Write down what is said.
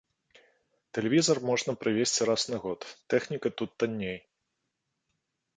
Тэлевізар можна прывезці раз на год, тэхніка тут танней.